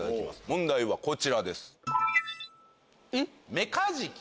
問題はこちらです。